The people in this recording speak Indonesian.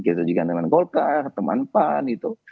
gitu juga teman golkar teman pan gitu